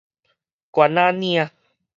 關仔嶺